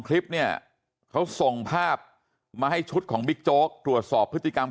คลิปเนี่ยเขาส่งภาพมาให้ชุดของบิ๊กโจ๊กตรวจสอบพฤติกรรม